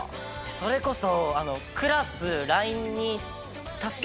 それこそ。